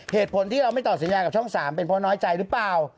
เหตุผลที่เราไม่ตอบสัญญากับช่อง๓เป็นเพราะน้อยใจหรือเปล่า